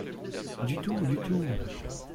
Du tout ! du tout !